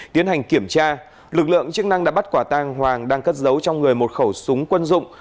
tiến hành kiểm tra lực lượng chức năng đảm bắt quả tàng hoàng đang cất dấu trong người một khẩu súng quân dụng